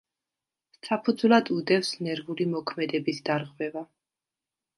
საფუძვლად უდევს ნერვული მოქმედების დარღვევა.